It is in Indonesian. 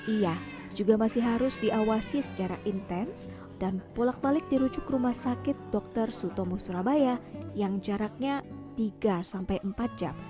ia juga masih harus diawasi secara intens dan bolak balik dirujuk ke rumah sakit dr sutomo surabaya yang jaraknya tiga sampai empat jam